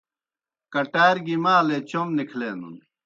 کٹار گیْ مالے چوْم نِکھلینَن۔